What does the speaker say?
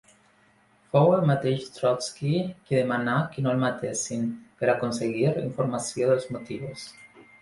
Fou el mateix Trotski qui demanà que no el matessin per aconseguir informació dels motius.